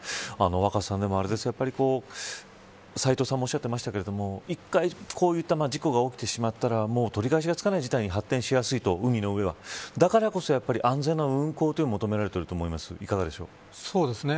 若狭さん斎藤さんもおっしゃっていましたが一回、こういった事故が起きてしまったら取り返しがつかない事態に発展しやすいと海の上はだからこそ、安全な運航が求められていると思います。